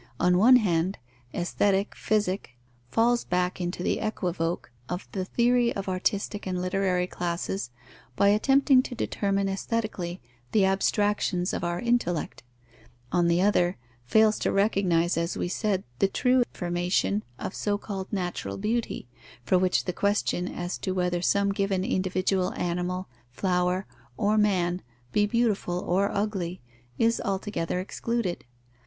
On one hand, aesthetic Physic falls back into the equivoke of the theory of artistic and literary classes, by attempting to determine aesthetically the abstractions of our intellect; on the other, fails to recognize, as we said, the true formation of so called natural beauty; for which the question as to whether some given individual animal, flower, or man be beautiful or ugly, is altogether excluded.